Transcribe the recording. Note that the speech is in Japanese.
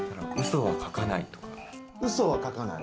うそは書かない。